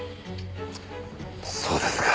そうですか。